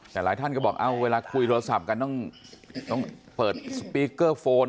แต่หลายท่านก็บอกเวลาคุยโทรศัพท์กันต้องเปิดสปีกเกอร์โฟน